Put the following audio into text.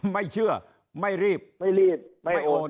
ไม่เชื่อไม่รีบไม่รีบไม่โอน